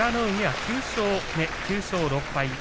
９勝目、９勝６敗。